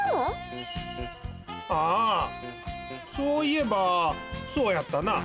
あそういえばそうやったな。